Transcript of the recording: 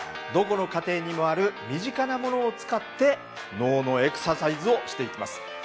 どこの家庭にもある身近なものを使って脳のエクササイズをしていきます。